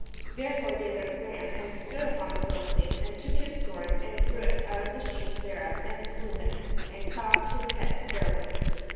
Therefore David ran, and stood upon the Philis tine, and took his sword, and drew it out of the sheath thereof, and slew him, and cut off his head therewith.